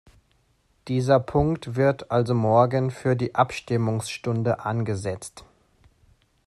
Dieser Punkt wird also morgen für die Abstimmungsstunde angesetzt.